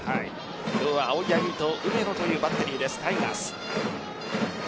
今日は青柳と梅野というバッテリーですタイガース。